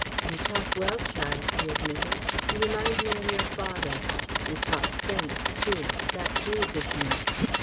"You talk well, child," he admitted. "You remind me of your father. You talk sense too. That pleases me.